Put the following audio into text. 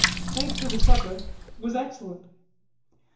Thanks for the supper it was excellent.